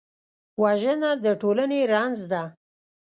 وژنه د ټولنې رنځ ده